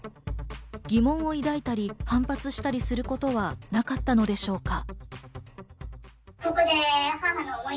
疑問を抱いたり反発したりすることはなかったのでしょうか？